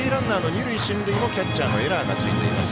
キャッチャーのエラーがついています。